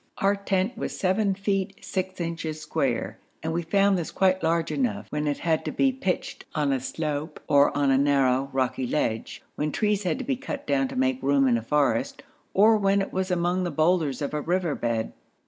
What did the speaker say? Our tent was 7 feet 6 inches square, and we found this quite large enough when it had to be pitched on a slope, or on a narrow, rocky ledge, when trees had to be cut down to make room in a forest, or when it was among the boulders of a river bed.